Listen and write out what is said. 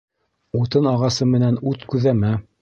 Утын ағасы менән ут күҙәмә.